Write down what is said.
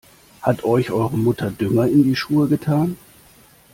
Hat euch eure Mutter Dünger in die Schuhe getan?